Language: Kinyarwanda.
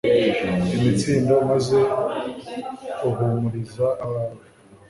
imitsindo, maze uhumuriza abawe